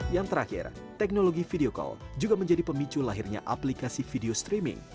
yang terakhir teknologi video call juga menjadi pemicu lahirnya aplikasi video streaming